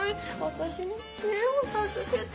私に知恵を授けて。